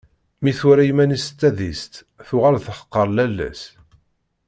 Mi twala iman-is s tadist, tuɣal teḥqer lalla-s.